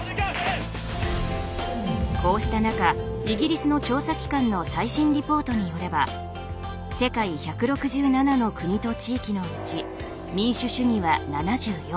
こうした中イギリスの調査機関の最新リポートによれば世界１６７の国と地域のうち民主主義は７４。